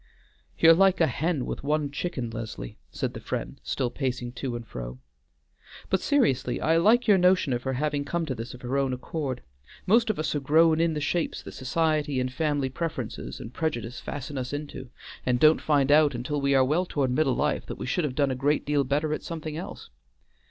"You're like a hen with one chicken, Leslie," said the friend, still pacing to and fro. "But seriously, I like your notion of her having come to this of her own accord. Most of us are grown in the shapes that society and family preference and prejudice fasten us into, and don't find out until we are well toward middle life that we should have done a great deal better at something else.